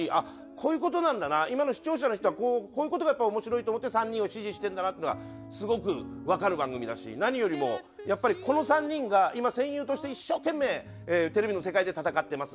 こういう事なんだな今の視聴者の人はこういう事が面白いと思って３人を支持してるんだなっていうのがすごくわかる番組だし何よりもやっぱりこの３人が今戦友として一生懸命テレビの世界で戦ってます。